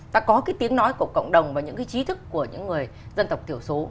ta có cái tiếng nói của cộng đồng và những cái trí thức của những người dân tộc thiểu số